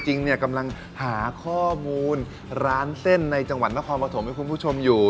จริงเนี่ยกำลังหาข้อมูลร้านเส้นในจังหวัดนครปฐมให้คุณผู้ชมอยู่